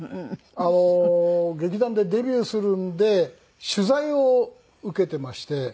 あの劇団でデビューするんで取材を受けてまして事務所で。